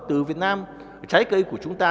từ việt nam trái cây của chúng ta